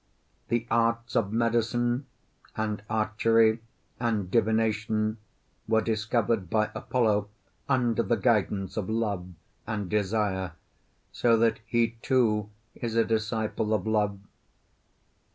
The arts of medicine and archery and divination were discovered by Apollo, under the guidance of love and desire; so that he too is a disciple of Love.